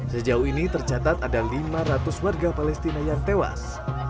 sejauh ini tercatat ada lima ratus warga palestina yang tewas